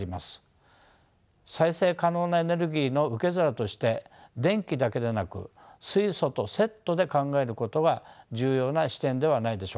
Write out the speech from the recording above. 再生可能なエネルギーの受け皿として電気だけでなく水素とセットで考えることが重要な視点ではないでしょうか。